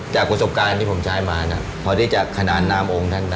จากประสบการณ์ที่ผมใช้มาพอที่จะขนานนามองค์ท่านได้